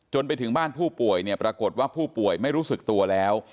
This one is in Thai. ไปถึงบ้านผู้ป่วยเนี่ยปรากฏว่าผู้ป่วยไม่รู้สึกตัวแล้ว